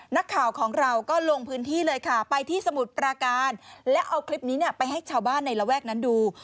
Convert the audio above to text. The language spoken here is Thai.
นักข่าวของเราก็ลงพื้นที่เลยค่ะไปที่สมุทรปราการและเอาคลิปนี้เนี่ยไปให้ชาวบ้านในระแวกนั้นดู